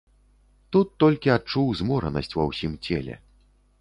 Тут толькі адчуў зморанасць ва ўсім целе.